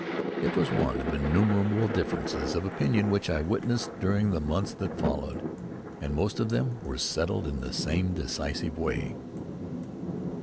It was one of innumerable differences of opinion which I witnessed during the months that followed. And most of them were settled in the same decisive way.